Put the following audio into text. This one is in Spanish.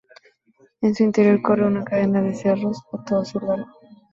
En su interior corre una cadena de cerros a todo su largo.